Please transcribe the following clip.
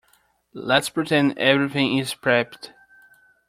Let's pretend everything is prepped.